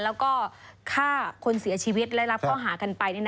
แล้วก็ฆ่าคนเสียชีวิตและรับข้อหากันไป